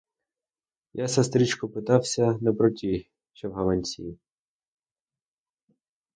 Я, сестричко, питався не про ті, що в гаманці.